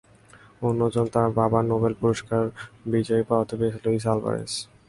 অন্য জন তার বাবা নোবেল পুরস্কার বিজয়ী পদার্থবিদ লুই আলভারেজ।